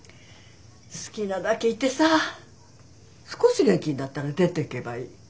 好きなだけいてさ少し元気になったら出ていけばいい。